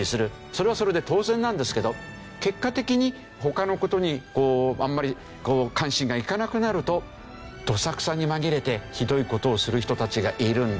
それはそれで当然なんですけど結果的に他の事にあんまり関心がいかなくなるとドサクサに紛れてひどい事をする人たちがいるんだ